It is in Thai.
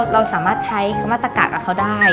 เราสามารถใช้คำว่าตะกะกับเขาได้